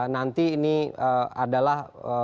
nanti ini adalah